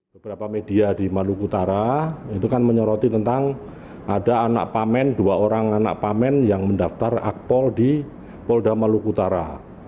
beberapa media di maluku utara itu kan menyoroti tentang ada anak pamen dua orang anak pamen yang mendaftar akpol di polda maluku utara